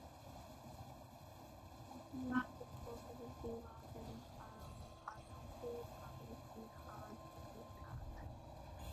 Oswald probably wasn't a lone person, he probably had backers.